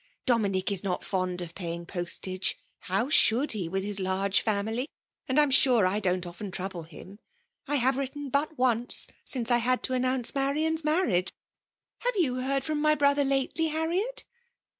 Dominick is not fond of paying postage; (how should he, with his lai^ family ?) and I am sure I don*t often trouble him! I have written but once since I had to announce Marian's marriage. Have you heard from my brother lately, Harriet